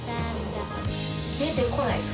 出てこないです